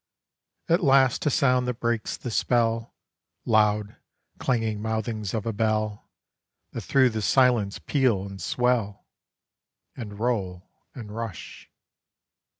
At last, a sound that breaks the spell, Loud, clanging mouthings of a bell, That through the silence peal and swell, And roll, and rush.